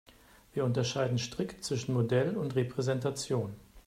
Wir unterscheiden strikt zwischen Modell und Repräsentation.